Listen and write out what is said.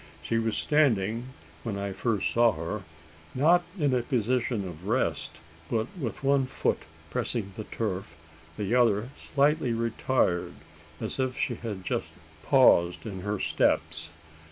She was standing when I first saw her: not in a position of rest, but with one foot pressing the turf, the other slightly retired, as if she had just paused in her steps.